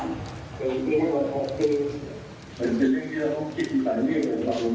เป็นเกณฑ์เรียนที่เราต้องคิดแต่นี่ก็เป็นการเรียนรอบ